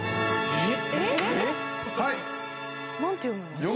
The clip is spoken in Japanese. えっ！？